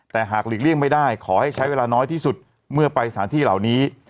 แต่หากหลีกเลี่ยงไม่ได้ขอให้ใช้เวลาน้อยที่สุดเมื่อไปสถานที่เหล่านี้